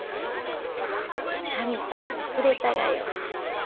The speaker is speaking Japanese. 神さんがくれたがよ。